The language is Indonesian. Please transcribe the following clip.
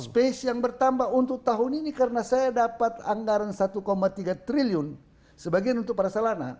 space yang bertambah untuk tahun ini karena saya dapat anggaran satu tiga triliun sebagian untuk para salana